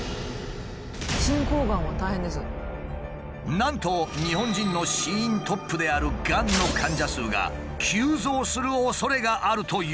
なんと日本人の死因トップであるがんの患者数が急増するおそれがあるというのだ。